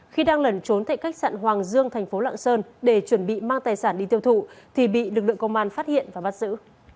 khi đang lẩn trốn tại khách sạn hoàng dương thành phố lạng sơn để chuẩn bị mang tài sản đi tiêu thụ thì bị lực lượng công an phát hiện và bắt giữ